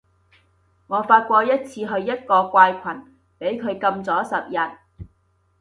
我發過一次去一個怪群，畀佢禁咗十日